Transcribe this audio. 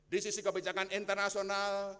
di sisi kebijakan internasional